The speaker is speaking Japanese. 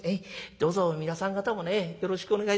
どうぞ皆さん方もねよろしくお願い。